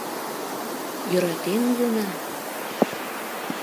— Йӧратен улына?